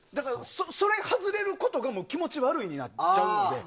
それを外れることが気持ち悪くなっちゃうので。